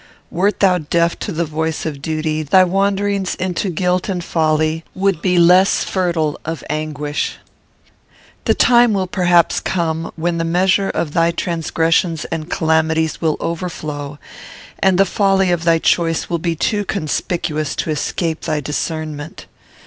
Wert thou deaf to the voice of duty, thy wanderings into guilt and folly would be less fertile of anguish. The time will perhaps come, when the measure of thy transgressions and calamities will overflow, and the folly of thy choice will be too conspicuous to escape thy discernment.